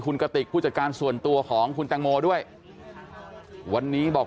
คุณกติกผู้จัดการส่วนตัวของคุณแตงโมด้วยวันนี้บอก